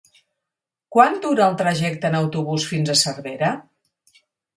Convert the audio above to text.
Quant dura el trajecte en autobús fins a Cervera?